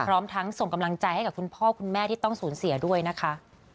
พร้อมทั้งส่งกำลังใจให้กับคุณพ่อคุณแม่ที่ต้องสูญเสียด้วยนะคะ